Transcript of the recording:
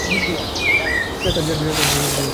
সে তার জ্যাঠার বিষয় নেবে না!